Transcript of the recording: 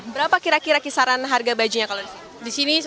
berapa kira kira kisaran harga bajunya kalau di sini